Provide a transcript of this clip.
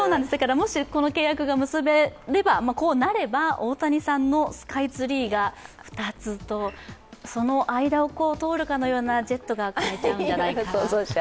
もし、この契約が結べれば大谷さんのスカイツリーが２つとその間を通るかのようなジェットが買えるんじゃないか。